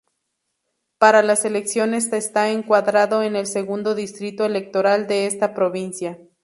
Para las elecciones está encuadrado en el Segundo Distrito Electoral de esta provincia.